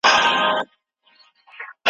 څه تخمونه د فساد مو دي شيندلي ,